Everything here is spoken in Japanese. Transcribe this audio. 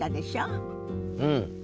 うん。